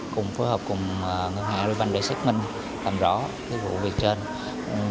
cùng phối hợp cùng ngân hàng agribank để xác minh làm rõ vụ việc trên